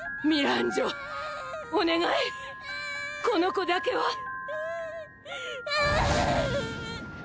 この子だけは